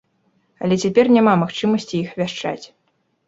Але цяпер няма магчымасці іх вяшчаць.